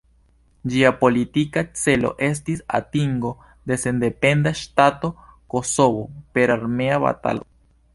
Ĝia politika celo estis atingo de sendependa ŝtato Kosovo per armea batalado.